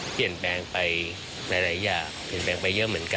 เปลี่ยนแปลงไปหลายอย่างเปลี่ยนแปลงไปเยอะเหมือนกัน